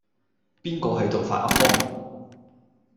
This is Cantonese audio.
邊個係度發噏風